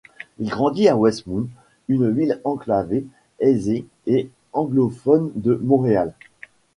Il grandit à Westmount, une ville enclavée, aisée et anglophone de Montréal.